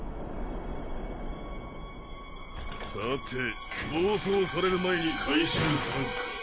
さて暴走される前に回収するか。